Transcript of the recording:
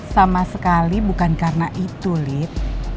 sama sekali bukan karena itu lift